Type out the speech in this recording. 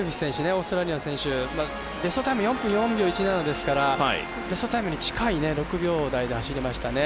オーストラリアの選手ベストタイム４分１７ですからベストタイムに近い６秒台で走りましたね。